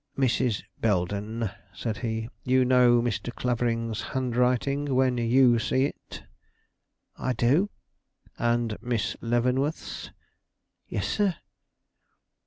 "Mrs. Belden," said he, "you know Mr. Clavering's handwriting when you see it?" "I do." "And Miss Leavenworth's?" "Yes, sir."